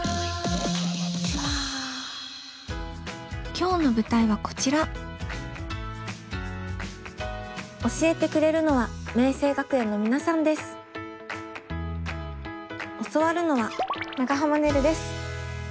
今日の舞台はこちら教えてくれるのは教わるのは長濱ねるです。